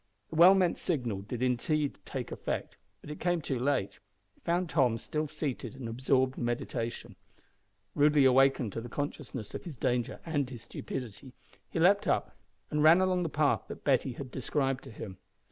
The well meant signal did indeed take effect, but it came too late. It found Tom still seated in absorbed meditation. Rudely awakened to the consciousness of his danger and his stupidity, he leaped up and ran along the path that Betty had described to him.